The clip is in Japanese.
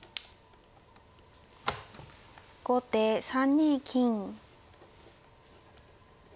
後手３二金。